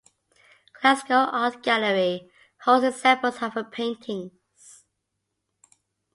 Glasgow Art Gallery holds examples of her paintings.